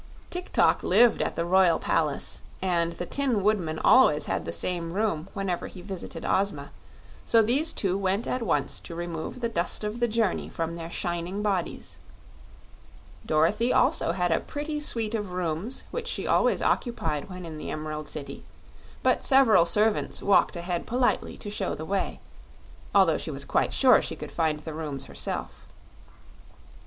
Tik tok lived at the Royal Palace and the Tin Woodman always had the same room whenever he visited Ozma, so these two went at once to remove the dust of the journey from their shining bodies. Dorothy also had a pretty suite of rooms which she always occupied when in the Emerald City; but several servants walked ahead politely to show the way, although she was quite sure she could find the rooms herself.